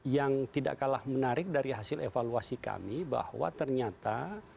yang tidak kalah menarik dari hasil evaluasi kami bahwa ternyata